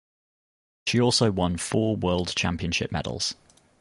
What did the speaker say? She also won four World Championship medals.